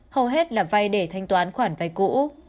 hầu hết là vay để thanh toán khoản vay cũ